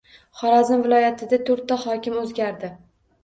Xorazm viloyatida to‘rtta hokim o‘zgardi